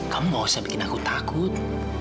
kamu gak usah bikin aku takut